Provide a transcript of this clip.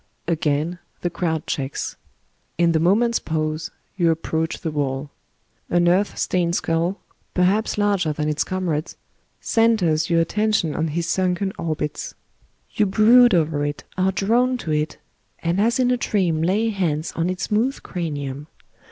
Again the crowd checks. In the moment's pause you approach the wall. An earth stained skull, perhaps laxger than its comrades, centres your attention on his sunken orbits. You brood over it, are drawn to it, and as in a dream lay hands on its smooth cranium.